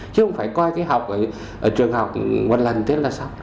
chứ không phải coi cái học ở trường học một lần tức là xong